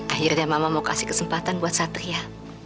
akhirnya mama mau kasih kesempatan buat satria